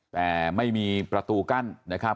แต่ไม่มีประตูกั้นนะครับ